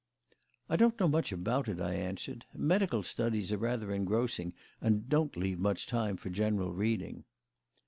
"I don't know much about it," I answered. "Medical studies are rather engrossing and don't leave much time for general reading."